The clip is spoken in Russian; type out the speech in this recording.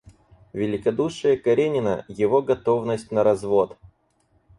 Великодушие Каренина, его готовность на развод.